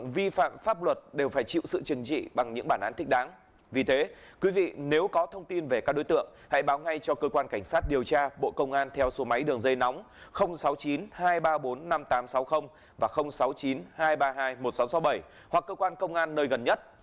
vì thế quý vị nếu có thông tin về các đối tượng hãy báo ngay cho cơ quan cảnh sát điều tra bộ công an theo số máy đường dây nóng sáu mươi chín hai trăm ba mươi bốn năm nghìn tám trăm sáu mươi và sáu mươi chín hai trăm ba mươi hai một nghìn sáu trăm sáu mươi bảy hoặc cơ quan công an nơi gần nhất